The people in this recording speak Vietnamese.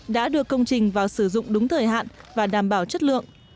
đã đưa công trình vào sử dụng đúng thời hạn và đảm bảo chất lượng